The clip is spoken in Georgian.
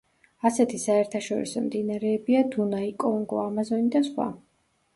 ასეთი საერთაშორისო მდინარეებია დუნაი, კონგო, ამაზონი და სხვა.